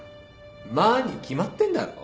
「ま」に決まってんだろ。